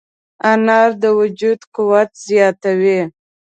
انار د وجود قوت زیاتوي.